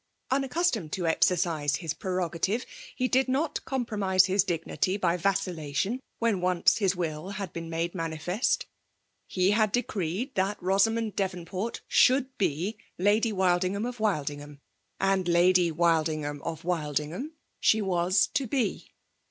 Unaccustomed to exercise his pierogap* tire^ he did not compromise his digmty by vaeittatim^ when once his will had been made msm&oL He had decreed that Bosaanomt Bearonport sbtndd be Lady Wildittghnm of Wildmgham, and Lady WiUingham of Wfl diagham riie^wss to be